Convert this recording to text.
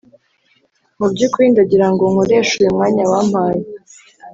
mubyukuri ndagirango nkoreshe uyumwanya wampaye